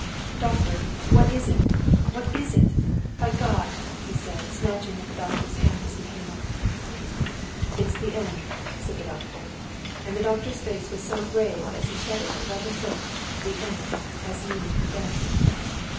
"Doctor! What is it? What is it? By God!" he said, snatching at the doctor's hand as he came up. "It's the end," said the doctor. And the doctor's face was so grave as he said it that Levin took the end as meaning her death.